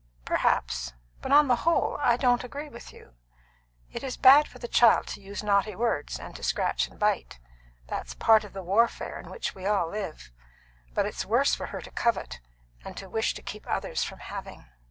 "Perhaps. But upon the whole, I don't agree with you. It is bad for the child to use naughty words and to scratch and bite; that's part of the warfare in which we all live; but it's worse for her to covet, and to wish to keep others from having."